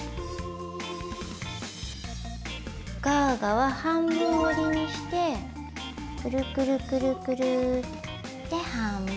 ガーガは半分折りにしてくるくるくるくるって半分。